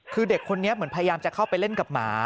คือเด็กคนนี้เหมือนพยายามจะเข้าไปเล่นกับหมา